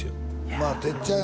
まあてっちゃん